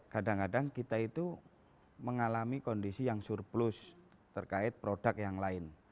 kadang kadang kita itu mengalami kondisi yang surplus terkait produk yang lain